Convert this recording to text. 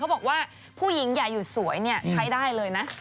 บอกว่าผู้หญิงอย่าหยุดสวยเนี่ยใช้ได้เลยนะ